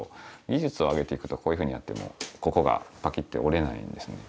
技術を上げていくとこういうふうにやってもここがパキッて折れないんですね。